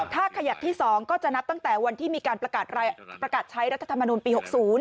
ถ้าขยักที่๒ก็จะนับตั้งแต่วันที่มีการประกาศใช้รัฐธรรมนุนปี๖๐